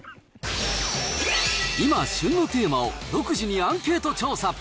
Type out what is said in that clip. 今、旬のテーマを独自にアンケート調査。